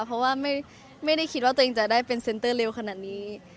เพราะว่าไม่ได้คิดว่าตัวเองจะได้เป็นเซ็นเตอร์เร็วขนาดนี้